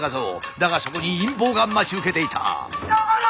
だがそこに陰謀が待ち受けていた。